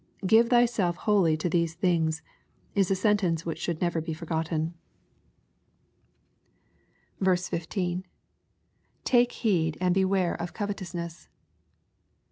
" Give thyself wholly to these things" is a sentence which should never be forgotten. T6 EXPOSITOR f THOUGHTS. \.5,'~^Take heed and beware of covetousness.